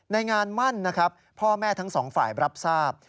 ในงานมั่นนะครับพ่อแม่ทั้งสองฝ่ายรับทราบ